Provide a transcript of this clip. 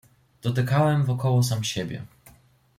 "Dotykałem wokoło sam siebie."